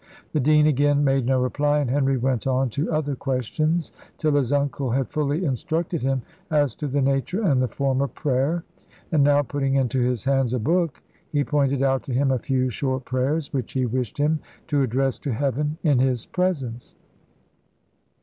The dean again made no reply, and Henry went on to other questions, till his uncle had fully instructed him as to the nature and the form of prayer; and now, putting into his hands a book, he pointed out to him a few short prayers, which he wished him to address to Heaven in his presence.